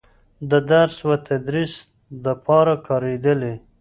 د درس و تدريس دپاره کارېدلې